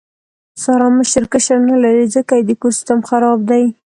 ساره مشر کشر نه لري، ځکه یې د کور سیستم خراب دی.